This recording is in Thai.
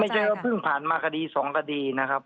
ไม่ใช่ว่าเพิ่งผ่านมาคดีสองคดีนะครับ